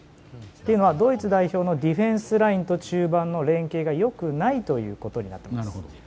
というのはドイツ代表のディフェンスラインと中盤の連係が良くないということになります。